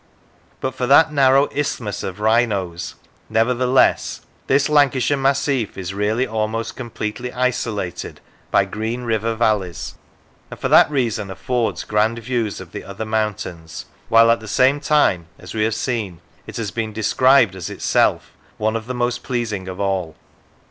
But for that narrow isthmus of Wrynose, nevertheless, this Lancashire massif is really almost completely isolated by green river valleys, and for that reason affords grand views of the other mountains, while at the same time, as we have seen, it has been described as itself one of the most pleasing of all.